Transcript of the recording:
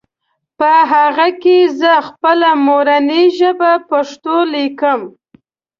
په هغې کې زهٔ خپله مورنۍ ژبه پښتو ليکم